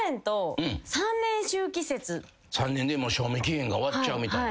３年で賞味期限が終わっちゃうみたいな。